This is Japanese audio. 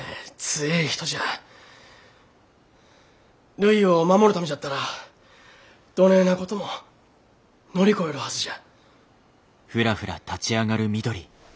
るいを守るためじゃったらどねえなことも乗り越えるはずじゃ。